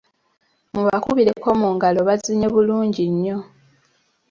Mubakubireko mu ngalo bazinye bulungi nnyo.